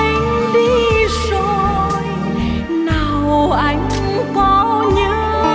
anh đi rồi nào anh có nhớ